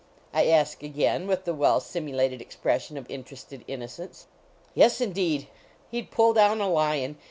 I ask again with the well simu lated expression of interested innocence "Yes, indeed; he d pull down a lion.